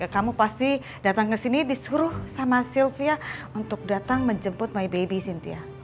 kamu pasti dateng kesini disuruh sama sylvia untuk dateng menjemput bayi bayi cynthia